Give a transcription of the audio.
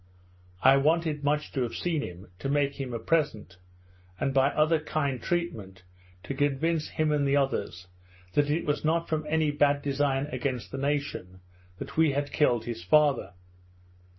I wanted much to have seen him, to make him a present, and, by other kind treatment, to convince him and the others that it was not from any bad design against the nation, that we had killed his father.